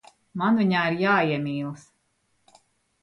Man viņā ir jāiemīlas.